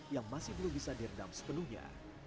yang masih belum bisa diredam sepenuhnya